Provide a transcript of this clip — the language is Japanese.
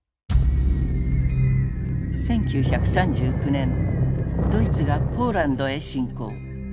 １９３９年ドイツがポーランドへ侵攻。